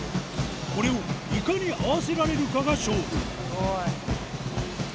これをいかに合わせられるかが勝負。